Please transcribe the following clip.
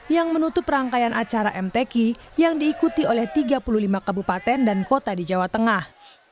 yang menutup rangkaian acara mtk yang diikuti oleh tiga puluh lima kabupaten dan kota di jawa tengah